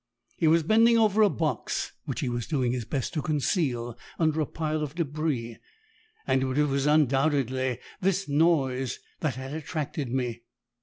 He was bending over a box which he was doing his best to conceal under a pile of débris, and it was undoubtedly this noise that had attracted me.